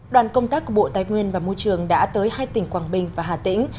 đoàn công tác của bộ tài nguyên và môi trường đã tới hai tỉnh quảng bình và hà tĩnh